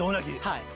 はい。